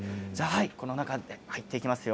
中に入っていきますよ。